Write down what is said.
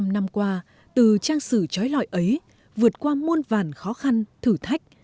bốn mươi năm năm qua từ trang sử chói lọi ấy vượt qua muôn vàn khó khăn thử thách